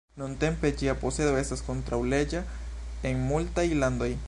Nuntempe ĝia posedo estas kontraŭleĝa en multaj landoj.